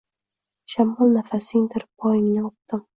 Shamol – nafasingdir, poyingni o‘pdim.